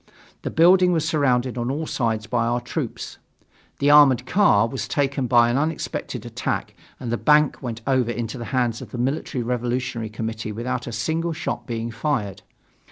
The building was surrounded on all sides by our troops. The armored car was taken by an unexpected attack and the bank went over into the hands of the Military Revolutionary Committee without a single shot being fired.